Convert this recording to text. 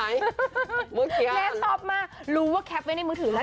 แม่ชอบมากรู้ว่าแคปไว้ในมือถือแล้ว